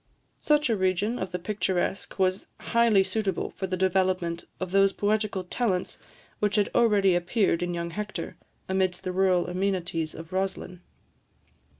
Such a region of the picturesque was highly suitable for the development of those poetical talents which had already appeared in young Hector, amidst the rural amenities of Roslin.